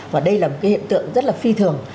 và đây là một cái hiện tượng rất là phi thường